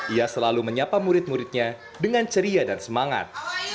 ia selalu menyapa murid muridnya dengan ceria dan semangat